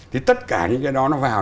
thì tất cả những cái đó nó vào